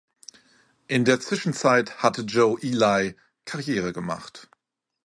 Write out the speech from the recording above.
In der Zwischenzeit hatte Joe Ely Karriere gemacht.